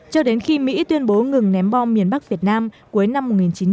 cho đến khi mỹ tuyên bố ngừng ném bom miền bắc việt nam cuối năm một nghìn chín trăm bảy mươi